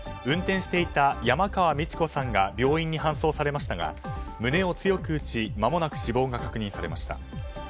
運転していた山川美智子さんが病院に搬送されましたが胸を強く打ちまもなく死亡が確認されました。